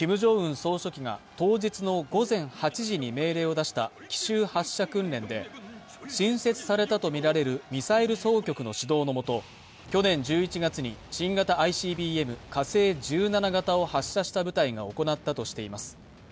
総書記が当日の午前８時に命令を出した奇襲発射訓練で、新設されたとみられるミサイル総局の指導のもと去年１１月に新型ＩＣＢＭ、火星１７型を発射した部隊が行ったとしています。